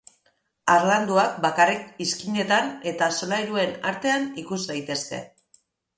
Harlanduak bakarrik izkinetan eta solairuen artean ikus daitezke.